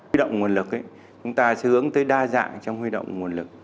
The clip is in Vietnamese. huy động nguồn lực chúng ta sẽ hướng tới đa dạng trong huy động nguồn lực